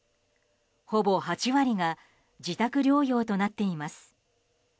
ほぼ８割が自宅療養となっています。